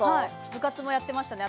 部活もやってましたね